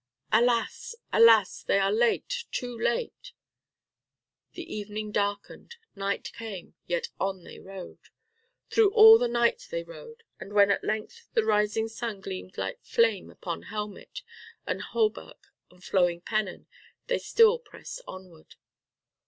Alas! alas! they are late, too late! The evening darkened, night came, yet on they rode. Through all the night they rode, and when at length the rising sun gleamed like flame upon helmet, and hauberk and flowing pennon, they still pressed onward.